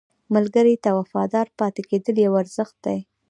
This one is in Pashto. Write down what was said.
ملګری ته وفادار پاتې کېدل یو ارزښت دی